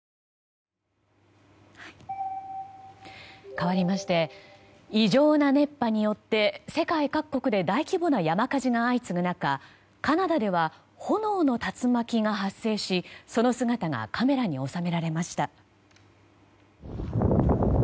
かわりまして異常な熱波によって世界各国で大規模な山火事が相次ぐ中カナダでは炎の竜巻が発生しその姿がカメラに収められました。